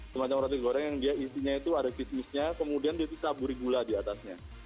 semacam roti goreng yang dia isinya itu ada fitusnya kemudian dia tuh taburi gula diatasnya